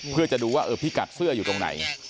เพื่อจะดูว่าเออพิกัดเสื้ออยู่ตรงไหน